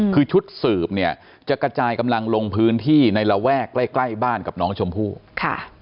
คือชุดสืบเนี่ยจะกระจายกำลังลงพื้นที่ในระแวกใกล้ใกล้บ้านกับน้องชมพู่ค่ะ